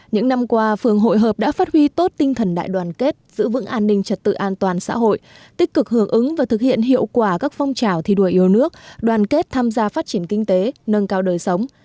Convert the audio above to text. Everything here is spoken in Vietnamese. những năm qua phường hội hợp đã phát huy tốt tinh thần đại đoàn kết giữ vững an ninh trật tự an toàn xã hội tích cực hưởng ứng và thực hiện hiệu quả các phong trào thi đua yêu nước đoàn kết tham gia phát triển kinh tế nâng cao đời sống